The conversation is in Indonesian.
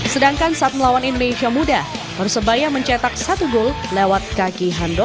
sedangkan saat melawan indonesia muda persebaya mencetak satu gol lewat kaki hando